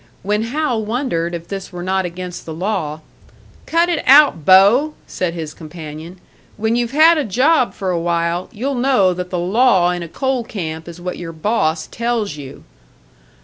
When Hal wondered if this were not against the law, "Cut it out, Bo!" said his companion. "When you've had a job for a while, you'll know that the law in a coal camp is what your boss tells you."